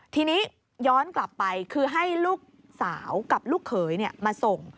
ทีนี้ย้อนกลับไปคือให้ลูกสาวกับลูกเขยมาส่ง